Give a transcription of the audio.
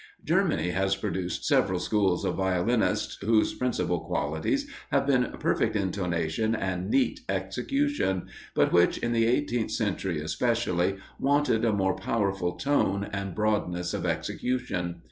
Germany has produced several schools of violinists, whose principal qualities have been perfect intonation and neat execution; but which in the eighteenth century, especially, wanted a more powerful tone and broadness of execution.